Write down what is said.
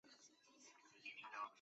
赴岳州托庇于湖南军阀赵恒惕。